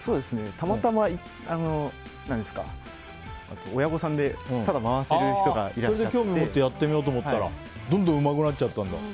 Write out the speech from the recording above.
たまたま、親御さんで興味を持ってやってみようと思ったらどんどんうまくなっちゃったんだ。